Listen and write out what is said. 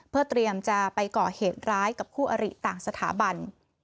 เพื่อเตรียมจะไปก่อเหตุร้ายกับคู่อริต่างสถาบัน